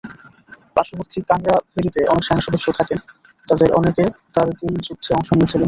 পার্শ্ববর্তী কাংরা ভ্যালিতে অনেক সেনাসদস্য থাকেন, যাঁদের অনেকে কারগিল যুদ্ধে অংশ নিয়েছিলেন।